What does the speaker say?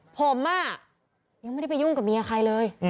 ผมยังไม่ได้ไปยุ่งกับเมียใครเลย